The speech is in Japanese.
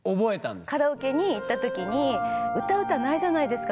カラオケに行った時に歌う歌ないじゃないですか